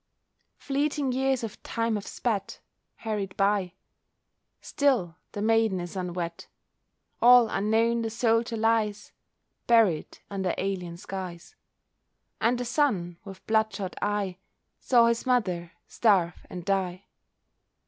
Fleeting years of time have sped—hurried by— Still the maiden is unwed: All unknown the soldier lies, Buried under alien skies; And the son, with blood shot eye, Saw his mother starve and die.